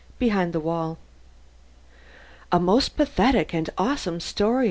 XII BEHIND THE WALL "A most pathetic and awesome history!"